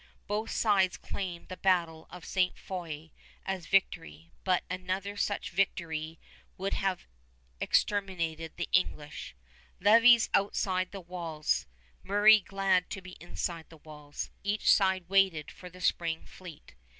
Both sides claimed the battle of Ste. Foye as victory, but another such victory would have exterminated the English. Lévis outside the walls, Murray glad to be inside the walls, each side waited for the spring fleet.